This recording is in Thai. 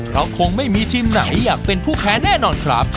เพราะคงไม่มีทีมไหนอยากเป็นผู้แพ้แน่นอนครับ